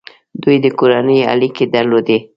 دوی د کورنۍ اړیکې درلودې.